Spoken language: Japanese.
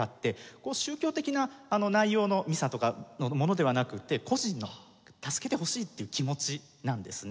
こう宗教的な内容のミサとかのものではなくて個人の助けてほしいっていう気持ちなんですね。